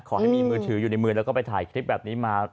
ขอให้มีมือถืออยู่ในมือแล้วก็ไปถ่ายคลิปแบบนี้มา